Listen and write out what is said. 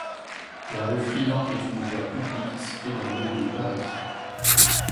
La rue Friant est une voie publique située dans le de Paris.